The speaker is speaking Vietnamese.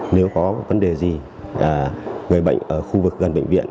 nếu có vấn đề gì người bệnh ở khu vực gần bệnh viện